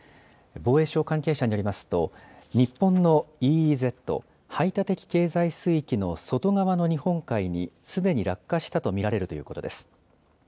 防衛省関係者によりますと日本のＥＥＺ・排他的経済水域の外側の日本海にすでに落下したと見られるということです。